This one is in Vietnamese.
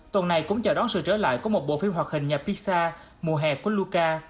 tuần này cũng chào đón sự trở lại của một bộ phim hoạt hình nhạc pisa mùa hè của luca